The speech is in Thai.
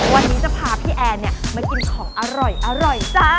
วันนี้จะพาพี่แอนเนี่ยมากินของอร่อยจ้า